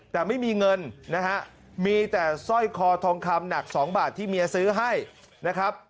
แต่ไม่มีเงินนะฮะมีแต่สร้อยคอทองคำหนัก๒บาทที่เมียซื้อให้นะครับ